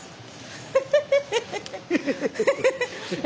フフフフ！